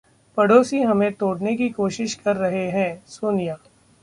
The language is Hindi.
पड़ोसी हमें तोड़ने की कोशिश कर रहे हैं: सोनिया